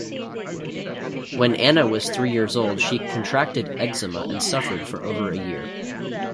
When Anna was three-years-old, she contracted eczema and suffered for over a year.